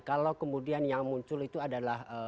kalau kemudian yang muncul itu adalah